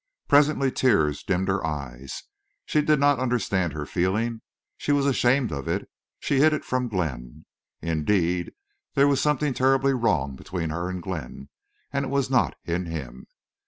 Presently tears dimmed her eyes. She did not understand her feeling; she was ashamed of it; she hid it from Glenn. Indeed, there was something terribly wrong between her and Glenn, and it was not in him.